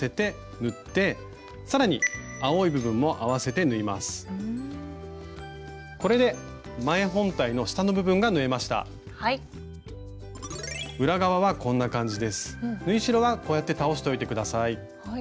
縫い代はこうやって倒しておいて下さい。